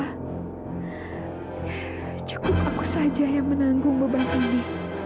hah cukup aku saja yang menanggung beban ini